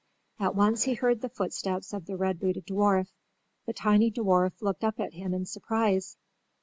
At once he heard the footsteps of the red booted dwarf. The tiny dwarf looked up at him in surprise.